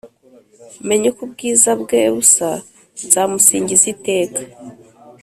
mmeny’ uk’ ubwiza bwe busa; nzamusingiz’ iteka